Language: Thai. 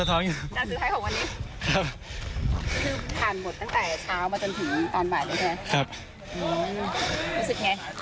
เรื่องรู้สึกไง